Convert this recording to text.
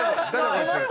こいつ。